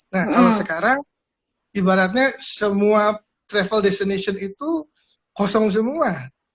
nah kalau sekarang ibaratnya semua travel destination itu kosong semua